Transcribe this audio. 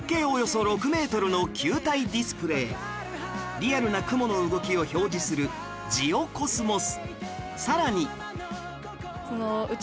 リアルな雲の動きを表示するジオ・コスモス